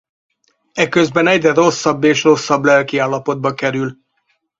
Eközben egyre rosszabb és rosszabb lelkiállapotba kerül.